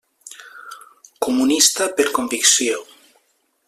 Comunista per convicció.